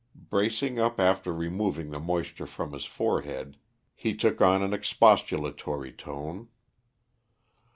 Bracing up after removing the moisture from his forehead, he took on an expostulatory tone.